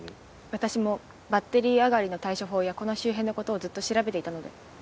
私もバッテリー上がりの対処法やこの周辺の事をずっと調べていたので。